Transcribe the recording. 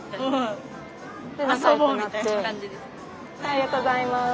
ありがとうございます。